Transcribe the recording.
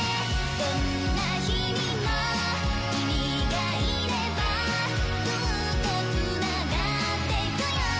どんな日々も君がいればずっと繋がってゆくよ